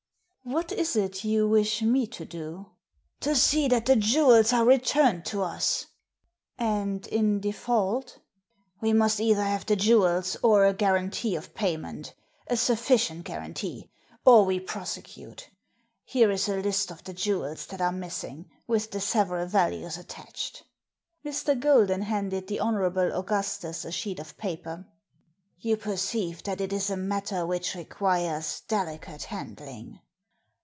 " What is it you wish me to do ?"* To see that the jewels are returned to us.* •'And in default?" "We must either have the jewels or a guarantee of payment — a sufficient guarantee! — or we prose cute. Here is a list of the jewels that are missing, with the several values attached." Mr. Golden handed the Hon. Augustus a sheet of paper. " You perceive that it is a matter which requires delicate handling."